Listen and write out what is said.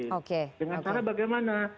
dengan cara bagaimana